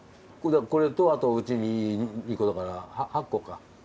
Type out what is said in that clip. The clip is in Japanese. これとあとうちに２個だから８個か。